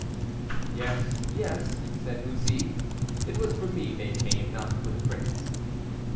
"Yes, yes," said Bussy, "it was for me they came, not for the prince."